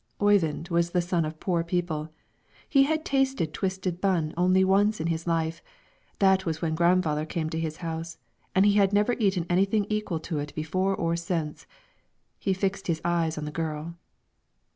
Oyvind was the son of poor people; he had tasted twisted bun only once in his life, that was when grandfather came to his house, and he had never eaten anything equal to it before or since. He fixed his eyes on the girl.